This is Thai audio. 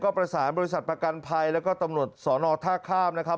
ประสานบริษัทประกันภัยแล้วก็ตำรวจสอนอท่าข้ามนะครับ